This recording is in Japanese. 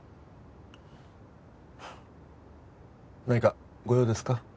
何かご用ですか？